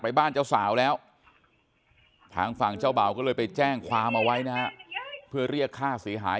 บ้านเจ้าสาวแล้วทางฝั่งเจ้าบ่าวก็เลยไปแจ้งความเอาไว้นะฮะเพื่อเรียกค่าเสียหาย